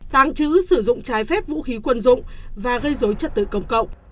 tàng trữ sử dụng trái phép vũ khí quân dụng và gây dối trật tự công cộng